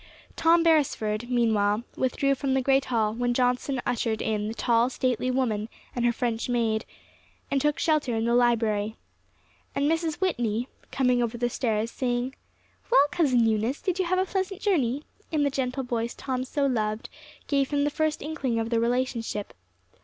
Tom Beresford, meanwhile, withdrew from the great hall when Johnson ushered in the tall, stately woman and her French maid, and took shelter in the library. And Mrs. Whitney, coming over the stairs, saying, "Well, Cousin Eunice, did you have a pleasant journey?" in the gentle voice Tom so loved, gave him the first inkling of the relationship.